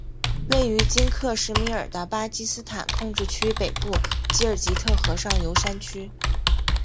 位于今克什米尔的巴基斯坦控制区北部吉尔吉特河上游山区。